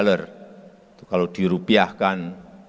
itu kalau dirupiahkan seratus